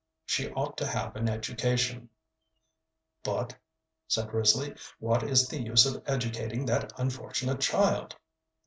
She ought to have an education." "But," said Risley, "what is the use of educating that unfortunate child?"